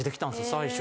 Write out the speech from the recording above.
最初。